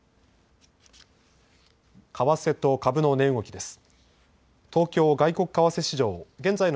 為替と株の値動きです。